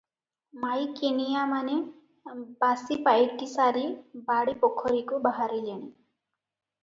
ମାଈକିନିଆମାନେ ବାସିପାଇଟିସାରି ବାଡ଼ି ପୋଖରୀକୁ ବାହାରିଲେଣି ।